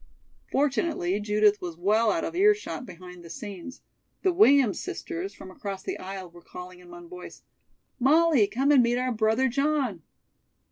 Fortunately, Judith was well out of ear shot behind the scenes. The Williams sisters, from across the aisle, were calling in one voice: "Molly, come and meet our brother John."